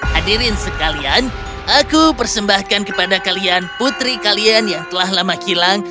hadirin sekalian aku persembahkan kepada kalian putri kalian yang telah lama hilang